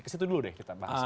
kesitu dulu deh kita bahas